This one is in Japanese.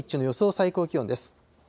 最高気温です。